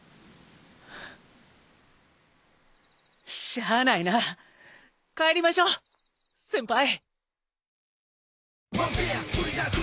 しゃあないな帰りましょ先輩。